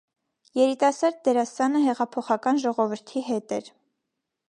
Երիտասարդ դերասանը հեղափոխական ժողովրդի հետ էր։